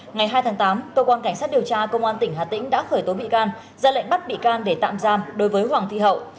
ngày hai tháng tám cơ quan cảnh sát điều tra công an tỉnh hà tĩnh đã khởi tố bị can ra lệnh bắt bị can để tạm giam đối với hoàng thị hậu